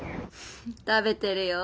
食べてるよ。